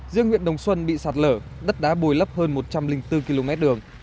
riêng huyện đồng xuân bị sạt lở đất đá bồi lấp hơn một trăm linh bốn km đường